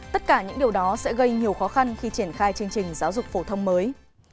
tất cả những điều đó sẽ gây nhiều khó khăn khi triển khai chương trình giáo dục phổ thông mới